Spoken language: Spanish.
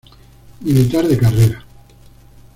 Militar de carrera.